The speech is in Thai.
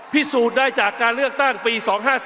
พิสูจน์ได้จากการเลือกตั้งปี๒๕๔